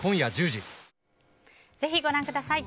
ぜひご覧ください。